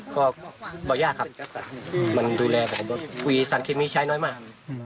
ก็ไม่ยากครับมันดูแลแบบวีสันเคมีใช้น้อยมาก